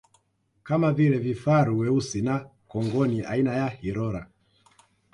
Kama vile vifaru weusi na kongoni aina ya Hirola